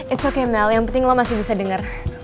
it's okay mel yang penting lo masih bisa denger